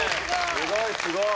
すごいすごい！